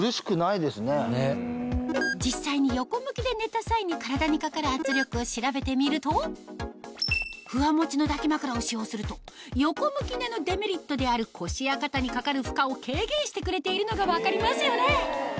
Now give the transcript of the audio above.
実際に横向きで寝た際に体にかかる圧力を調べてみるとふわもちの抱き枕を使用すると横向き寝のデメリットである腰や肩にかかる負荷を軽減してくれているのが分かりますよね